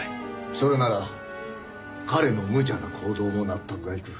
それなら彼の無茶な行動も納得がいく。